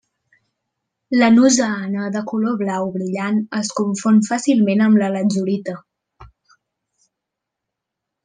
La noseana de color blau brillant es confon fàcilment amb la latzurita.